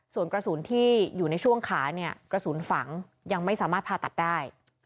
ส่วนกระสุนที่อยู่ในช่วงขาเนี่ยกระสุนฝังยังไม่สามารถผ่าตัดได้